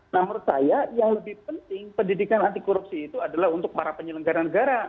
menurut saya yang lebih penting pendidikan antikorupsi itu adalah untuk para penyelenggara negara